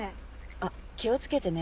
あっ気を付けてね。